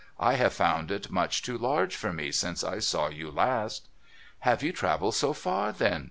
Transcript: I have found it much too large for me since I saw you last' ' Have you travelled so far, then